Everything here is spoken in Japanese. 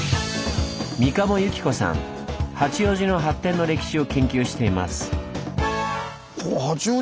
八王子の発展の歴史を研究しています。